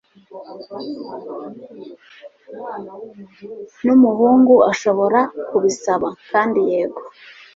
numuhungu ashobora kubisaba. kandi yego